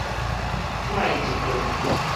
凹一窟